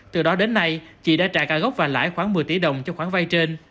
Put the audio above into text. từ đó đến nay chị đã trả cả gốc và lãi khoảng một mươi tỷ đồng cho khoản vay trên